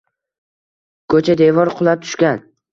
Ko‘cha devor qulab tushgan